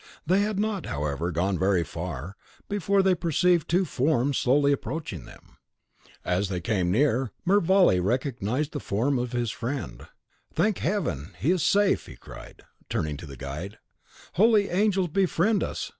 They had not, however, gone very far, before they perceived two forms slowly approaching them. As they came near, Mervale recognised the form of his friend. "Thank Heaven, he is safe!" he cried, turning to the guide. "Holy angels befriend us!"